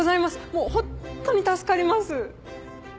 もうホントに助かります。